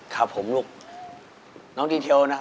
ครับน้องดีเทล